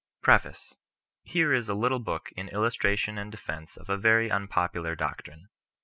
PREFACE. Here is a little book in illustration and defence of a very unpopular doctrine.